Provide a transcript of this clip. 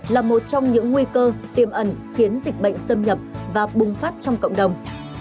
là một trong những nguy cơ tiềm ẩn khiến dịch bệnh xâm nhập và bùng phát trong cộng đồng